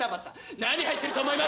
何入ってると思います？